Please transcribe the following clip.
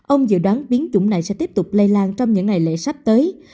ông dự đoán biến chủng này sẽ tiếp tục lây lan trong những ngày lễ sắp tới